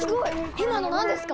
今の何ですか？